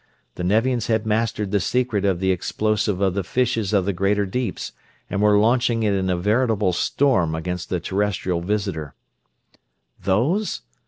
The Nevians had mastered the secret of the explosive of the fishes of the greater deeps and were launching it in a veritable storm against the Terrestrial visitor. "Those?"